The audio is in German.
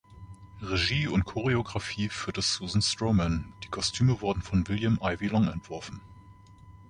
Regie und Choreografie führte Susan Stroman; die Kostüme wurden von William Ivey Long entworfen.